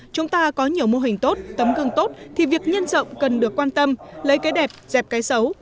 chúng ta có nhiều mô hình tốt tấm gương tốt thì việc nhân rộng cần được quan tâm lấy cái đẹp dẹp cái xấu